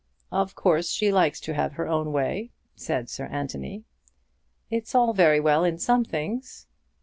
"Of course she likes to have her own way," said Sir Anthony. "It's all very well in some things."